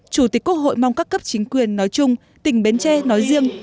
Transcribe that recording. chủ tịch quốc hội mong các cấp chính quyền nói chung tỉnh bến tre nói riêng